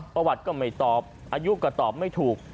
ประวัติก็ไม่ตอบอายุก็ตอบไม่ถูก